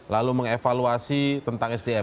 lalu mengevaluasi tentang sdm